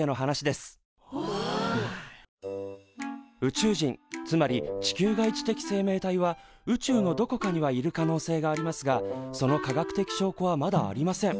宇宙人つまり地球外知的生命体は宇宙のどこかにはいる可能性がありますがその科学的しょうこはまだありません。